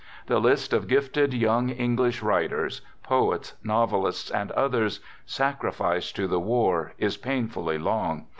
The list of gifted young Eng lish writers — poets, novelists and others — sacri ficed to the war, is painfully long.